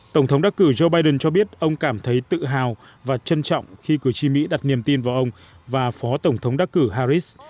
tổng thống đắc cử joe biden cho biết ông cảm thấy tự hào và trân trọng khi cử tri mỹ đặt niềm tin vào ông và phó tổng thống đắc cử harris